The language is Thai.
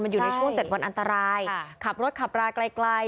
อยู่ในช่วง๗วันอันตรายขับรถขับราไกล